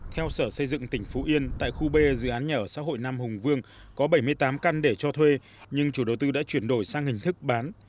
theo sở xây dựng tỉnh phú yên tại khu b dự án nhà ở xã hội nam hùng vương có bảy mươi tám căn để cho thuê nhưng chủ đầu tư đã chuyển đổi sang hình thức bán